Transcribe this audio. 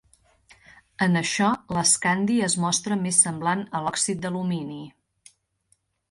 En això, l'escandi es mostra més semblant a l'òxid d'alumini.